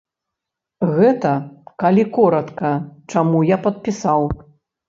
Гэта, калі коратка, чаму я падпісаў.